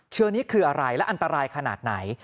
เชื้อนี้คืออะไรและอันตรายขนาดไหน